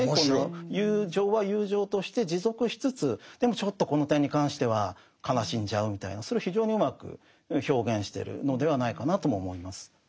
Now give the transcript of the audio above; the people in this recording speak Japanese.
友情は友情として持続しつつでもちょっとこの点に関しては悲しんじゃうみたいなそれを非常にうまく表現してるのではないかなとも思います。